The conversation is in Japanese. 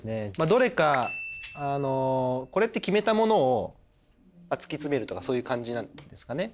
どれかあのこれって決めたものを突き詰めるとかそういう感じなんですかね？